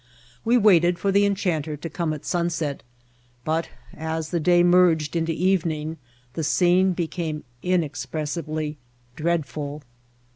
We waited for the enchanter to come at sunset, but as the day merged into evening the scene be came inexpressibly dreadful.